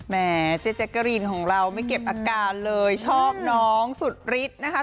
แม่เจ๊แจ๊กกะรีนของเราไม่เก็บอาการเลยชอบน้องสุดฤทธิ์นะคะ